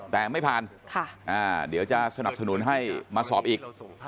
แต่ไม่ผ่านเดี๋ยวจะสนับสนุนให้มาสอบอีก